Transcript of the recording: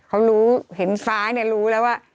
เขารู้เห็นซ้ายเนี่ยรู้แล้วว่า